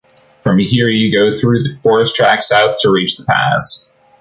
From here, you go through the forest track south to reach the pass.